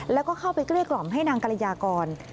แล้วก็เข้าไปเกลี้ยกล่อมให้นางกรยากร